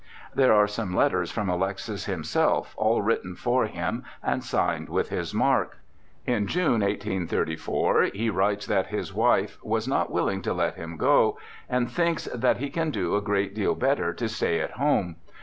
There are some letters from Alexis himself, all written for him and signed with his mark. In June, 1834, he writes hat his wife was not willing to let him go, and thinks than he can do a great deal better to stay at home.